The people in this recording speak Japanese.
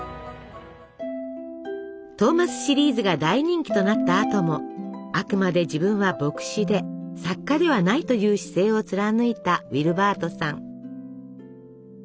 トーマスシリーズが大人気となったあともあくまで自分は牧師で作家ではないという姿勢を貫いたウィルバートさん。